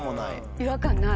違和感ない。